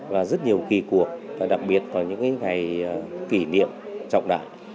và rất nhiều kỳ cuộc và đặc biệt vào những ngày kỷ niệm trọng đại